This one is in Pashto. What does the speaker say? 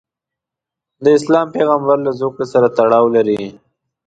د اسلام پیغمبرله زوکړې سره تړاو لري.